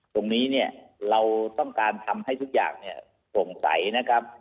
ตรงนี้เนี่ยเราต้องการทำให้ทุกอย่างสงสัยนะครับ